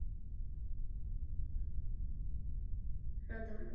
Ve francouzštině také publikoval své první literární texty.